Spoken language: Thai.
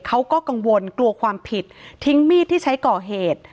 เขาก็กังวลกลัวความผิดทิ้งมีดที่ใช้ก่อเหตุ